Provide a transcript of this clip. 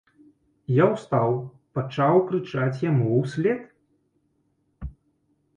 Я устаў, пачаў крычаць яму ўслед.